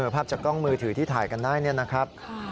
ภาพจากกล้องมือถือที่ถ่ายกันได้เนี่ยนะครับ